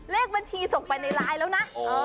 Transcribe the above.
เลขบัญชีส่งไปในไลน์แล้วนะ